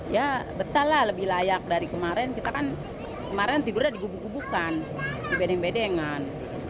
ya betah lah lebih layak dari kemarin kita kan kemarin tidur di gubuk gubukan di bedeng bedengan